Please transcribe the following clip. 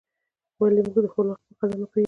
ولي موږ د خپل وخت په قدر نه پوهیږو؟